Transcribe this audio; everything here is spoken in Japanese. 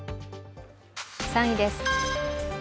３位です。